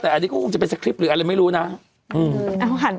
แต่อันนี้ก็คงจะเป็นสคริปต์หรืออะไรไม่รู้นะ